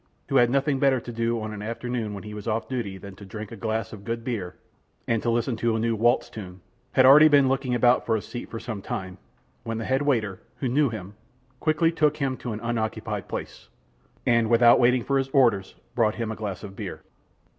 who had nothing better to do on an afternoon when he was off duty than to drink a glass of good beer and to listen to a new waltz tune, had already been looking about for a seat for some time, when the head waiter, who knew him, quickly took him to an unoccupied place, and without waiting for his orders, brought him a glass of beer.